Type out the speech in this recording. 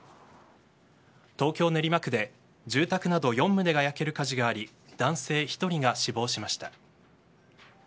東京・練馬区で住宅など４棟が焼ける火事があり男性１人が死亡しました。